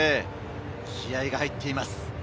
気合いが入っています。